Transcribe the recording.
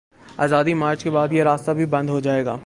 آزادی مارچ کے بعد، یہ راستہ بھی بند ہو جائے گا۔